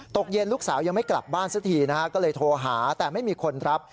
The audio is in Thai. ตกเย็นลูกสาวยังไม่กลับบ้านสักทีนะฮะก็เลยโทรหาแต่ไม่มีคนรับ